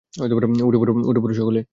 উঠে পড়ো সকলে!